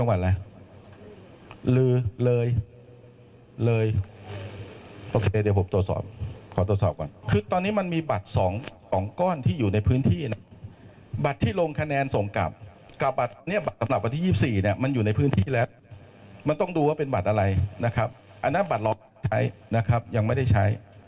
อันนั้นบัตรเราใช้นะครับยังไม่ได้ใช้